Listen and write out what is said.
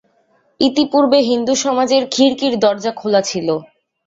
ইতিপূর্বে হিন্দুসমাজের খিড়কির দরজা খোলা ছিল।